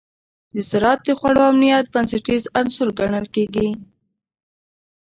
زراعت د خوړو امنیت بنسټیز عنصر ګڼل کېږي.